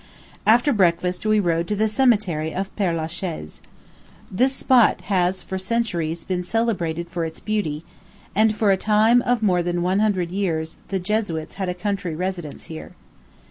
After breakfast, we rode to the Cemetery of Père la Chaise. This spot has for centuries been celebrated for its beauty; and, for a period of more than one hundred years, the Jesuits had a country residence here.